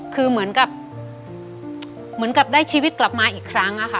คือเหมือนกับได้ชีวิตกลับมาอีกครั้งอะค่ะ